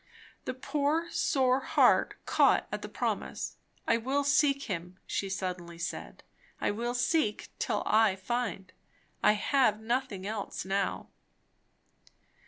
The poor, sore heart caught at the promise. I will seek him, she suddenly said; I will seek till I find; I have nothing else now.